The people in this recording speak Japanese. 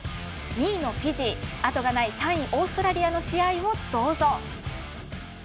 ２位のフィジー後がない３位オーストラリアの試合をどうぞ。